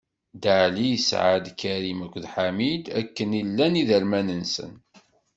Dda Ɛli isɛa-d: Karim akked Ḥamid, akken i llan iderman-nsen.